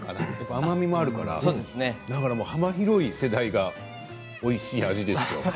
甘みもあるから、幅広い世代がおいしい味です。